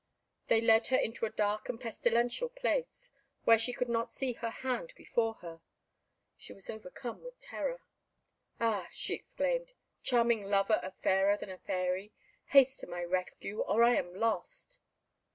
They led her into a dark and pestilential place, where she could not see her hand before her. She was overcome with terror. "Ah!" she exclaimed, "charming lover of Fairer than a Fairy, haste to my rescue, or I am lost!"